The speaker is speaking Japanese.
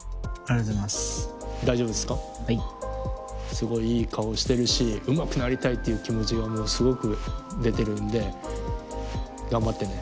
すごいいい顔してるしうまくなりたいっていう気持ちがすごく出てるんで頑張ってね。